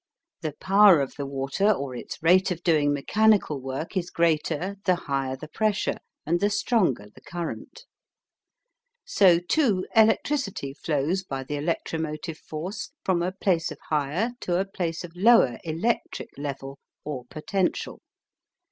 The power of the water or its rate of doing mechanical work is greater the higher the pressure and the stronger the current. So, too, electricity flows by the electromotive force from a place of higher to a place of lower electric level or potential.